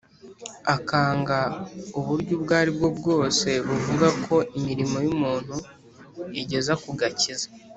akanga uburyo ubwo ari bwo bwose buvuga ko imirimo y'umuntu igeza ku gakiza,